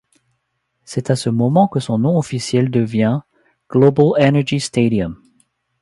C'est à ce moment que son nom officiel devient Global Energy Stadium.